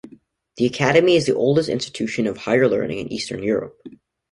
The academy is the oldest institution of higher learning in Eastern Europe.